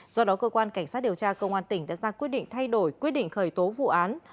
do đó cơ quan cảnh sát điều tra công an tp long xuyên đã ra quyết định thay đổi quyết định khởi tố vụ án